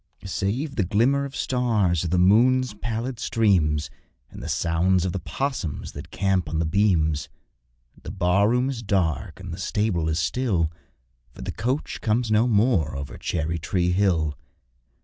Save the glimmer of stars, or the moon's pallid streams, And the sounds of the 'possums that camp on the beams, The bar room is dark and the stable is still, For the coach comes no more over Cherry tree Hill.